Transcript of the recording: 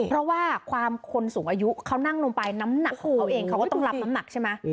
เพราะว่าความคนสูงอายุเขานั่งลงไปน้ำหนักของเขาเองเขาก็ต้องรับน้ำหนักใช่ไหม